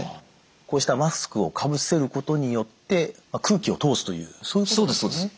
こうしたマスクをかぶせることによって空気を通すというそういうことですね。